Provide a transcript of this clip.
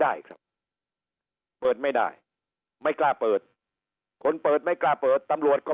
ได้ครับเปิดไม่ได้ไม่กล้าเปิดคนเปิดไม่กล้าเปิดตำรวจก็